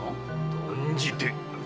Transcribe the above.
断じて。